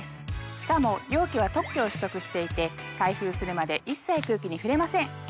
しかも容器は特許を取得していて開封するまで一切空気に触れません。